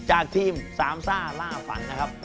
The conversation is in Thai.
จากทีมสามซ่าล่าฝันนะครับ